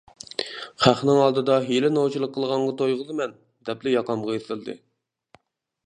خەقنىڭ ئالدىدا ھېلى نوچىلىق قىلغانغا تويغۇزىمەن-دەپلا ياقامغا ئېسىلدى.